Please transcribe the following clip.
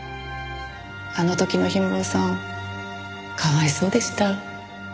あの時の氷室さんかわいそうでした。